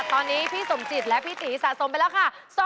ตอนนี้พี่สมจิตและพี่ตีสะสมไปแล้วค่ะ